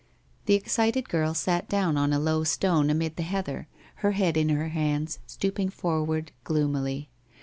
The excited girl sat down on a low stone amid the heather, her head in her hands, stooping forward, gloomily.